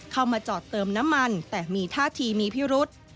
เข้ามาจอดเติมน้ำมันแต่มีท่าทีมีพิรุษ